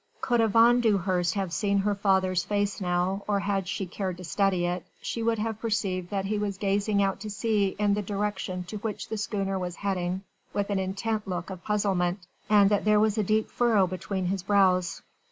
Could Yvonne Dewhurst have seen her father's face now, or had she cared to study it, she would have perceived that he was gazing out to sea in the direction to which the schooner was heading with an intent look of puzzlement, and that there was a deep furrow between his brows.